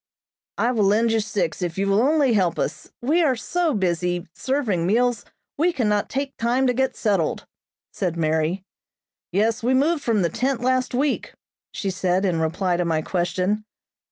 "I'll lend you six if you will only help us. We are so busy serving meals we cannot take time to get settled," said Mary. "Yes, we moved from the tent last week," she said in reply to my question.